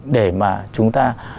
để mà chúng ta